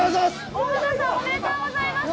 ありがとうございます！